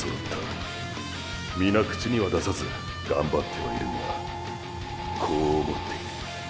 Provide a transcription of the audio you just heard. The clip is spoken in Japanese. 皆口には出さず頑張ってはいるがこう思っている！